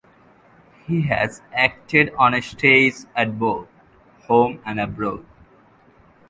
He has acted on stage at both home and abroad.